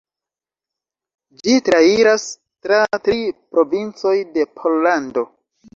Ĝi trairas tra tri provincoj de Pollando.